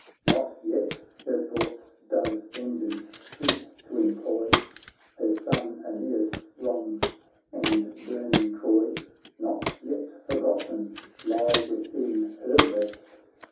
Not yet her thoughts does vengeance cease t' employ ; Her son Aeneas' wrongs, and burning Troy, Not yet forgotten lie within her breast.